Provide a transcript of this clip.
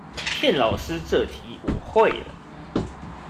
騙老師這題我會了